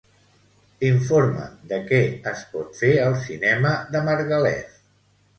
Informa'm de què es pot fer al cinema de Margalef.